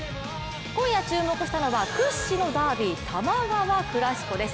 今夜注目したのは屈指のダービー、多摩川クラシコです。